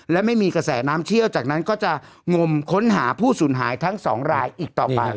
และไม่มีกระแสน้ำเชี่ยวจากนั้นก็จะงมค้นหาผู้สูญหายทั้งสองรายอีกต่อไป